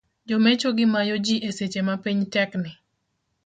Jomecho gi mayo ji e seche mapiny tek ni.